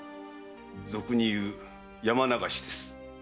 俗に言う山流しです。